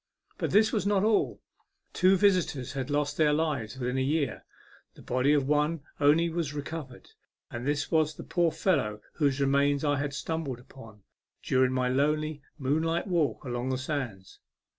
But this was not all ; two visitors had lost their lives within a year. The body of one only was recovered, and this was the poor fellow whose remains I had stumbled upon during my lonely moonlight walk along the sands.